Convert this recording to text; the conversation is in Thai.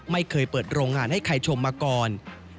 ไม่เคยเปิดโรงงานให้ใครชมมาก่อน